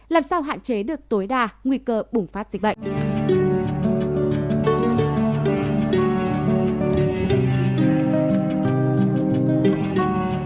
làm sao hạn chế được tối đa nguy cơ bùng phát dịch bệnh